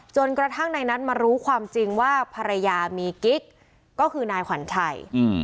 จนกระทั่งในนั้นมารู้ความจริงว่าภรรยามีกิ๊กก็คือนายขวัญชัย